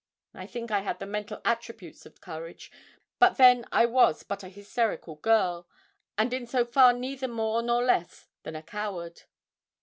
I think I had the mental attributes of courage; but then I was but a hysterical girl, and in so far neither more nor less than a coward.